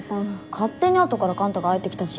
勝手に後から幹太が入ってきたし